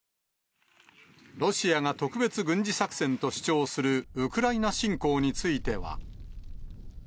ロシアが特別軍事作戦と主張するウクライナ侵攻については。